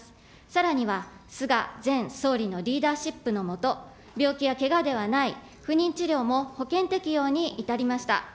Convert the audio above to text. さらには、菅前総理のリーダーシップの下、病気やけがではない不妊治療も保険適用に至りました。